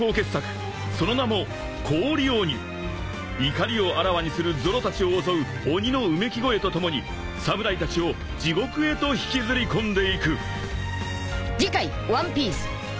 ［怒りをあらわにするゾロたちを襲う鬼のうめき声とともに侍たちを地獄へと引きずり込んでいく］